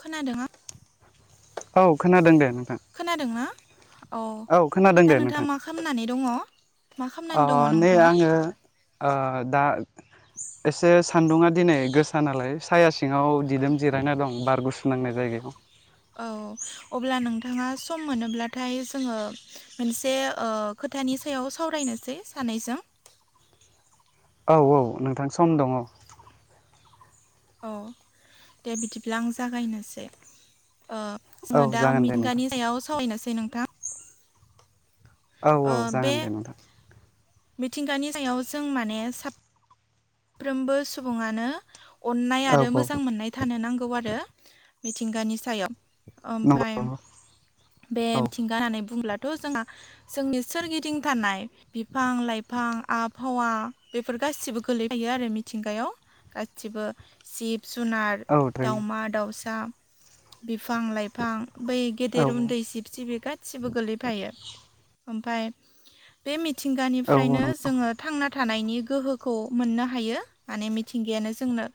खोनादों औ खोनादों दे नोंथां। अ औ खोनादों दे दा नोंथाङा नोंथां मा खालामनानै दङ? मा अ खालामनानै दङ नै नोंथाङा आङो ओ दा एसे सान्दुङा दिनै गोसा नालाय साया सिङाव दिदोम जिरायना दं बार गुसु नांनाय जायगायाव। औ अब्ला नोंथाङा सम मोनोब्लाथाय जोङो मोनसे ओ खोथानि सायाव सावरायनोसै सानैजों। औ औ नोंथां सम दङ। औ दे बिदिब्ला आं जागायनोसै। ओ जोङो दा जागोन दे नोंथां मिंगानि सायाव सावरायनोसै नोंथां। औ ओ औ बे जागोन दे नोंथां। मिथिंगानि सायाव जों माने साफ्रोमबो सुबुङानो अन्नाय औ आरो औ मोजां मोननाय थानो नांगौ आरो मिथिंगानि सायाव। नंगौ ओमफाय नंगौ बे औ मिथिंगा होननानै बुङोब्ला थ' जोंहा जोंनि सोरगिदिं थानाय बिफां-लाइफां, आबहावा बेफोर गासिबो। गोलै थायो आरो मिथिंगायाव गासिबो जिब जुनार, थारैनो दाउमा-दाउसा, बिफां-लाइफां। बै गेदेर उन्दै जिब-जिबि गास गासिबो गोलैफायो। ओमफाय बे मिथिंगानिफ्रायनो जोङो थांना था थानायनि गोहोखौ मोननो हायो माने मिथिंगायानो जोंनो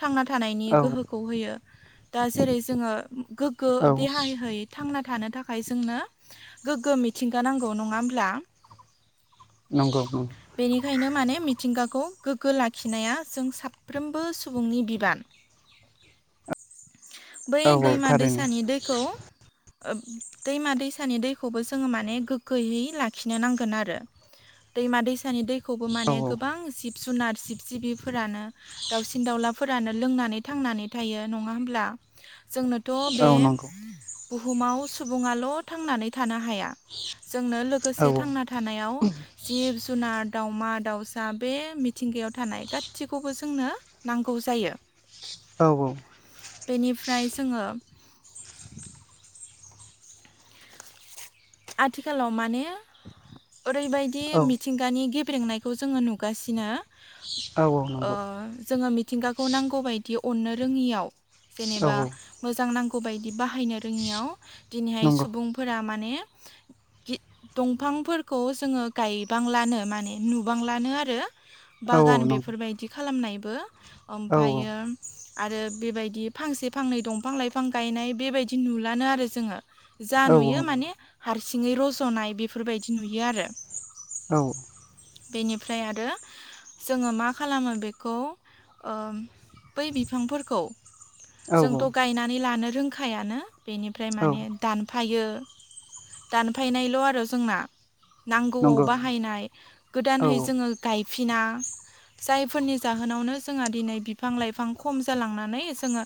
थांना थानायनि गोहोखौ होयो। दा जेरै जोङो गोग्गो देहायै थांना थानो थाखाय जोंनो गोग्गो मिथिंगा नांगौ नङा होमब्ला? बेनिखायनो माने मिथिंगा खौ गोग्गो लाखिनाया जों साफ्रोमबो सुबुंनि बिबान। बै दैमा दैसानि दैखौ ओब दैमा दैसानि दैखौबो जोङो माने गोग्गोयै लाखिनो नांगोन आरो। दैमा दैसानि दैखौबो औ माने गोबां जिब-जुनार, जिब-जिबिफोरानो दाउसिन-दाउलाफोरानो लोंनानै थांनानै थायो नङा होमब्ला? आ जोंनोथ' औ बे नंगौ बुहुमाव सुबुङाल' थांनानै था थानो हाया जोंनो औ नंगौ औ थारैनो औ लोगोसे नंगौ औ थांना थानायाव जिब-जुनार दाावमा-दाउसा बे मिथिंगायाव थानाय गाैखौबो जोंनो नांगौ जायो। औ औ। बेनिफ्राय जोङो [inaudible] आथिखालाव माने ओरैबायदि औ मिथिंगानि गिफ्ट गिदिंनायखौ जोङो नुगासिनो औ ओ नंगौ जोङो मिथ मिथिंगाखौ नांगौ बायदि अननो रोङियाव औ जेनेबा मोजां नांगौ बायदि बाहायनो रोङियाव दिनैहाय नंगौ सुबुंफोरा माने हि दंफांफोरखौ जोङो गायबांलानो माने नुबांलानो आरो। औ बागान नंगौ बेफोरबायदि खालामनायबो औ औ ओमफ्रायो आरो बेबायदि फांसे फांनै दंफां-लाइफां गायनाय बेबायदि नुलानो आरो जोहा। औ जा औ नुयो नंगौ माने हारसिङै रज'नाय बेफोरबायदि नुयो आरो। औ। बेनिफ्राय आरो जोङो मा खालामो बेखौ ओ बै बिफांफोरखौ औ जोंथ' गायनानै लानो रोंखायानो बेनिफ्राय औ माने दानफाय फायो दानफायनायल' आरो जोंना। नांगौआव नंगौ बाहायनाय औ गोदानैै जोङो गायफिना। जायफोरनि जाहोनावनो जोंहा दिनै बिफां-लाइफां खम जालांनानै जोङो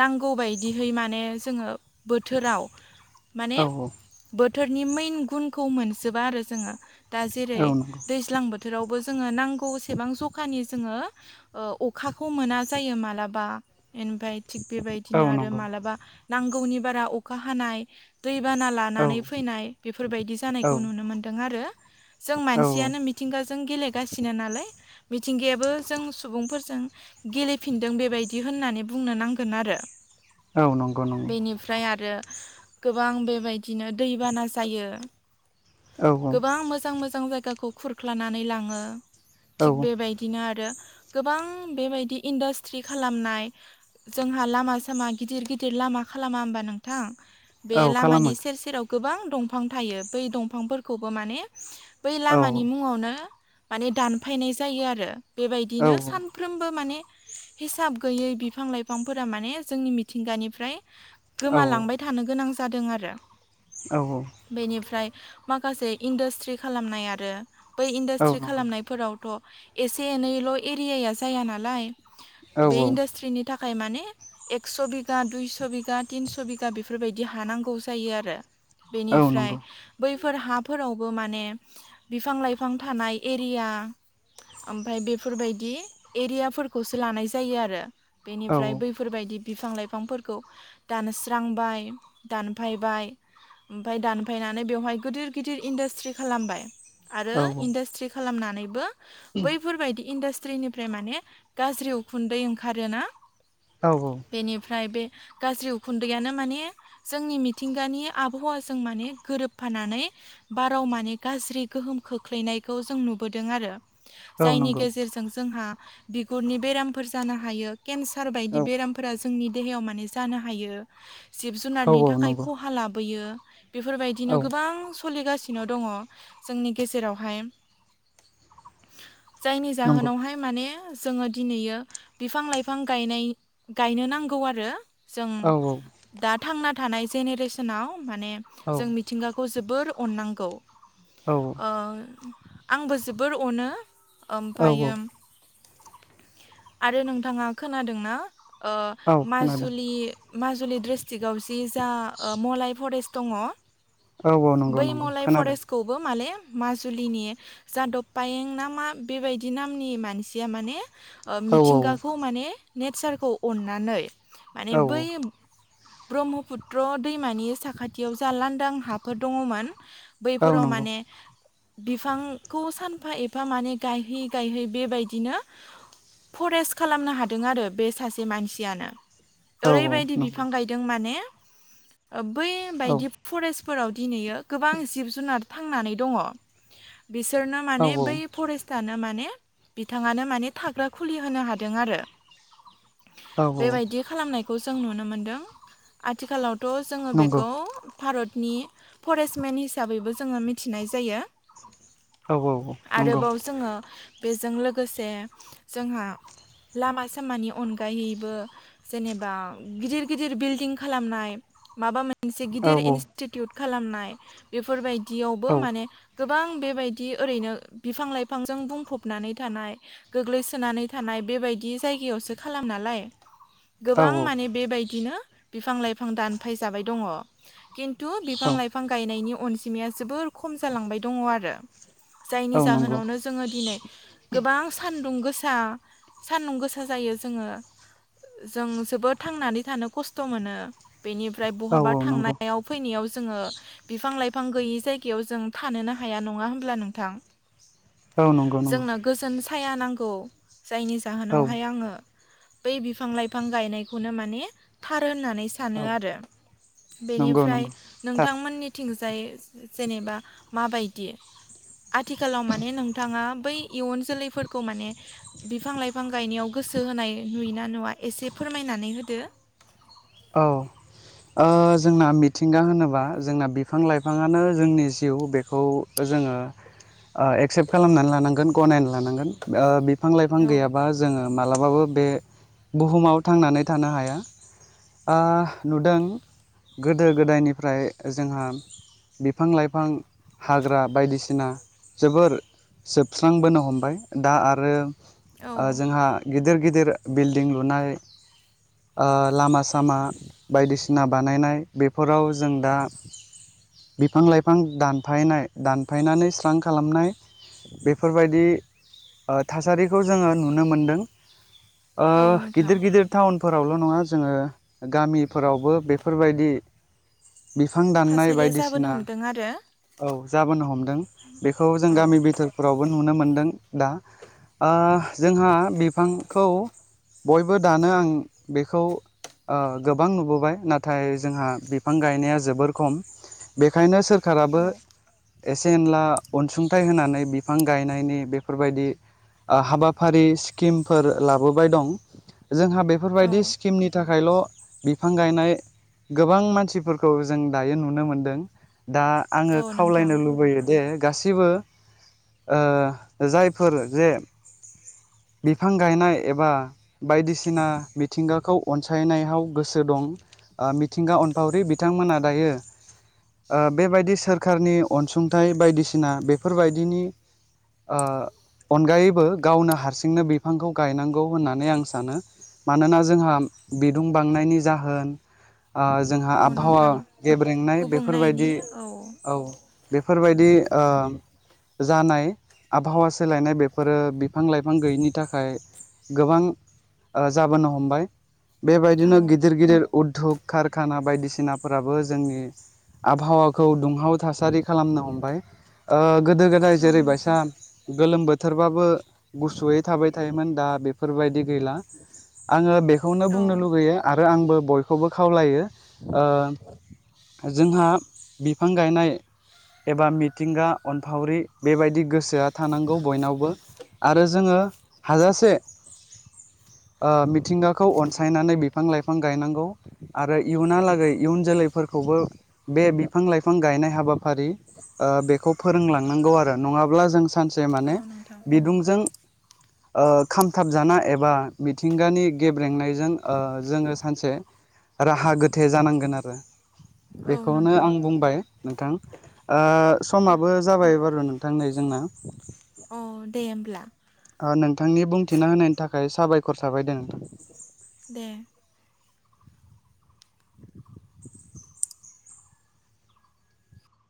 नांगौबायदि बायदिहै माने जोङो बोथोराव औ माने बोथोरनि मेन गुनखौ मोनजोबा आरो जोङो। दा औ जेरै नंगौ दैज्लां बोथोर बोथोरावबो जोङो नांगौसेबां जखानि जोङो ओ अखाखौ मोना जायो मालाबा। इनभाइत थिग औ बेबायदिनो आरो नंगौ मालाबा नांगौनि बारा अखा हानाय दैबाना ला औ नै फैनाय बेफोरबायदि औ जानायखौ नुनो मोन्दों आरो। जों औ मानसियानो मिथिंगाजो जों गेलेगासिनो नालाय मिथिंगायाबो जों सुबुंफोरजों गेलेफिनदों बेबायदि होन होननानै बुंनो नांगोन आरो। औ नंगौ नंगौ बेनिफ्राय आरो गोबां बेबायदि दिनो दैबाना जायो औ गोबां मोजां मोजां मोजां जायगाखौ खुरख्लानानै लाङो औ थिग बेबायदिनो आरो गोबां बेबायदि इन्डास्ट्रि खालामनाय जोंहा लामा सामा गिदिर गिदिर लाम लामा खालामा होमबा नोंथां बे औ लामानि खालामो सेर सेराव गोबां दंफां थायो बै दंफांफोरखौबो माने बै औ लामानि मुङावनो माने दानफायनाय जायो आरो। औ बेबायदिनो सानफ्रोमबो माने हिसाब गैयै बिफां लाइफांफोरा माने जोंनि मिथिंगानिफ्राय औ गोमालांबाय थानो गोनां जादों आरो औ बेनिफ्राय माखासे इन्डास्ट्रि खालामनाय आरो बै औ इन्डास्ट्रि नंगौ खालामनायफोरावथ' एसे एनैल' एरियाया जाया नालाय औ नंगौ औ नंगौ औ बे इन्डास्ट्रिनि थाखाय थाखाय माने एकस' बिगा दुइस' बिगा तिनस' बिगा बेफोरबायदि हानांगौ जायो आरो। बेनिफ्राय बै फोर हाफोरावबो माने बिफां लाइफां थानाय एरिया ओमफ्राय बेफोरबायदि एरियाफोरखौसो लानाय जायो आरो। बेनिफ्राय बैफोरबायदि बिफां लाइफांफोरखौ दानस्रांबाय दानफायबाय ओमफाय दानफायनानै बेवहाय गिदिर गिदिर इन्डास्ट्रि खालामबाय आरो इन्डास्ट्रि खालामनानैबो बैफोरबायदि इन्डास्ट त्रिनिफ्राय माने गाज्रि उखुन्दै ओंखारोना बेनिफ्राय बे गाज्रि उखुन्दैयानो माने जोंनि मिथिंगानि आबहावाजों माने गोरोबफानानै बाराव माने गाज्रि गोहोम खोख्लैनायखौ जों नु बोदों आरो औ जायनि नंगौ गेजेरजों जोंहा बिगुरनि बेरामफोर जानो हायो केन्सार बायदि बेरामफोरा जोंनि देहायाव माने जानो हायो। जिब जुनारनि थाखाय औ खहा लाबोयो बेफोरबायदिनो गोबां सोलिगासिनो दङ जोंनि गेजेरावहाय जायनि नंगौ जाहोनावहाय माने जोङो दिनैयो बिफां लाइफां गायनाय गायनो नांगौ आरो। जों औ दा थांना थानाय जेनेरेसनाव माने जों मिथिंगाखौ जोबोर अननांगौ औ औ ओ आंबो जोबोर अनो। औ ओमफ्रायो आरो नोंथाङा खोनादोंना? ओ औ खोनादों माजुलि माजुलि ड्रिस्ट्रिकआवजि जा मलाय फरेस्ट दङ औ औ नंगौ बै नंगौ मलाय खोनादों फरेस्टखौबो माले माजुलिनि जादब पायें ना मा बेबायदि नामनि मानसिया माने ओ औ मिथिंगाखौ माने नेचारखौ अननानै माने औ बै ब्रह्मपुत्र दैमानि साखाथियाव जा लांदां हाफोर दङमोन औ बैफोराव नंगौ माने बिफांखौ सानफा एफा माने गायहोयै गायहै बेबायदिनो फरेस्ट खालामनो हादों आरो बे सासे मानसियानो। औ ओरैबायदि नंगौ औ बिफां गायदों माने औ बैबायदि फरेस्टफोराव दिनैयो गोबां जिब जुनार थांनानै दङ। बिसोरनो माने बै फरेस्टानो माने बिथाङानो माने थाग्रा खुलि होनो हादों आरो। औ औ बेबायदि खालामनायखौ जों नुनो मोनदों आथिखालाव थ' जोङो नंगौ बेखौ भारतनि फरेस्टमेन हिसाबैबो जोङो मिथिनाय जायो। औ औ औ नंगौ आरोबाव जोङो बेजों लोगोसे जोंहा लामा सामानि अनगायैबो जेनेबा गिदिर गिदिर बिल्डिं खालामनाय माबा मोनसे औ गिदिर इनस्टिटिउट खालामनाय बेफोरबाय औ दियावबो माने गोबां बेबायदि ओरैनो बिफां लाइफांजों बुंफबनानै थानाय गोग्लैसोनानै थानाय बेबायदि जायगायावसो खालाम नालाय औ गोबां माने बेबायदिनो बिफां लाइफां दानफायजाबाय दङ खिन थु बिफां लाइफां गायनायनि अनजिमाया जोबोर खम जालांबाय दङ आरो। जायनि औ नंगौ जाहोनावनो जोङो दिनै गोबां सान्दुं गो सा सान्दुं गोसा जायो जोङो जों जोबोद थांनानै थानो ख स्थ' मोनो बेनिफ्राय औ बहाबा नंगौ थांनायाव फैनायाव जोङो बिफां लाइफां गैयै जायगायाव जों थानोनो हाया नङा होमब्ला नोंथां? औ नंगौ नंगौ जोंनो गोजोन साया नांगौ जायनि औ जाहोनावहाय आङो बै बिफां लाइफां गायनायखौनो माने थार होनानै सानो औ आरो नंगौ बेनिफ्राय नंगौ थार नोंथांमोननिथिं जाय जेनेबा माबायदि? आथिखालाव माने नोंथांङा बै इयुन जोलैफोरखौ माने बिफां लाइफां गायनायाव गो सो होनाय नुयो ना नुवा एसे फोरमायनानै होदो औ ओ जोंना मिथिंगा होनोबा जोंना बिफां लाइफाङानो जोंनि जिउ बेखौ जोङो ओ एक्सेप्ट खालामनानै लानांगोन गनायना लानांगोन ओ बिफां लाइफां औ गैयाबा जोङो मालाबाबो बे बुहुमाव थांनानै थानो हाया। ओ नुदों गोदो गोदायनिफ्राय जोंहा बिफां लाइफां हाग्रा बायदिसिना जोबोर जोबस्रांबोनो हमबाय दा आरो औ ओ जोंहा गिदिर गिदिर बिल्डिं लुनाय ओ लामा सामा बायदिसिना बानायनाय बेफोराव जों दा बिफां लाइफां दानफायनाय दानफायनानै स्रां खालामनाय बेफोरबायदि ओ थासारिखौ जोङो नुनो मोनदों ओ औ नोंथां गिदिर गिदिर टाउन फोरावल' नङा जोङो गामिफोरावबो बेफोरबायदि बिफां दाननाय थासारिया जाबोनो बायदिसिना हमदों आरो औ जाबोनो हमदों बेखौ जों औ गामि बिथोरफोरावबो नुनो मोन दों दा ओ जोंहा बिफांखौ बयबो दानो आं बेखौ ओ गोबां नुबोबाय नाथाय जोंहा बिफां गायनाया जोबोर खम बेखायनो सोर खाराबो औ एसे एनला अनसुंथाइ होनानै बिफां गायनायनि बेफोरबायदि आ हाबाफारि स्किमफोर लाबोबाय दं जोंहा औ बेफोरबायदि स्किमनि था खायल' बिफां गायनाय गोबां मानसिफोरखौ जों दायो नुनो मोनदों। दा आङो औ नोंथां खावलायनो लुबैयोदे गासैबो ओ जायफोर जे बिफां गायनाय एबा बायदिसिना मिथिंगा अनसायनायाव गोसो दं ओ मिथिंगा अनफावरि बिथांमोनहा दायो ओ बेबायदि सोरखारनि अनसुंथाइ बायदिसिना बेफोरबायदिनि ओ अनगायैबो गावनो हारसिंनो बिफांखौ गायनांगौ होननानै आं सानो। मानोना जोंहा बिदुं बांनायनि जाहोन ओ जोंहा औ आबहावा नोंथां गेब्रेंनाय बेफोरबायदि। औ बेफोरबायदि जानाय आबहावा सोलायनाय बेफोरो बिफां लाइफां गैयिनि थाखाय। गोबां जाबोनो हमबाय औ बेबायदिनो गिदिर गिदिर। उद्धग कारखाना बायदिसिनाफोराबो जोंनि आबहावाखौ दुंहाव थासारि खालामनो हमबाय ओ गोदो गोदाय औ नोंथां जेरैबायसा बेफोरबायदि गैला आङो औ जोंहा एबा मिथिंगा आरो जोङो हाजासे मिथिंगा खौ अनसायनानै बिफां लाइफां गायनांगौ आरो इयुनलागै इयुन जोलैफोरखौबो बे बिफां लाइफां गायनाय हाबाफारि बेखौ फोरोंलांनांगौ आरो नङाब्ला जों सानसे औ माने नोंथां बिदुंजों खामथाबजाना एबा मिथिंगानि [inaudible] गेब्रेंनायजों जोङो सानसे राहा गोथे जानांगोन आरो औ बेखौनो नोंथां आं बुंबाय नोंथां समाबो जाबाय बार' नोंथां थांनाय जोंना अ दे होमब्ला ओ नोंथांनि बुंथिना होनायनि थाखाय साबायखर साबाय दे नोंथां द